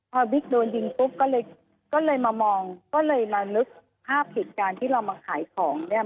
พอบิ๊กโดนยิงปุ๊บก็เลยก็เลยมามองก็เลยมานึกภาพเหตุการณ์ที่เรามาขายของเนี่ย